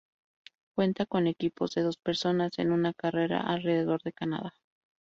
Cuenta con equipos de dos personas en una carrera alrededor de Canadá.